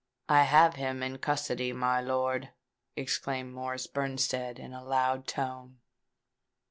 "I have him in custody, my lord," exclaimed Morris Benstead in a loud tone.